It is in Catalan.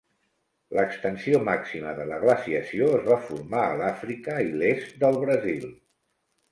L'extensió màxima de la glaciació es va formar a l'Àfrica i l'est del Brasil.